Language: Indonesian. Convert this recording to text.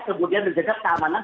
kemudian menjaga keamanan